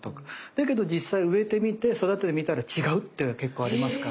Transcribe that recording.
だけど実際植えてみて育ててみたら違うっていうのは結構ありますから。